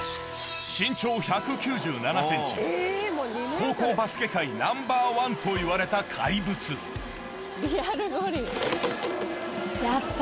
高校バスケ界ナンバーワンといわれた怪物やっぱ